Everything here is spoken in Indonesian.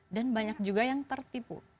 dan banyak juga yang tertipu